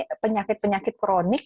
ada penyakit penyakit kronik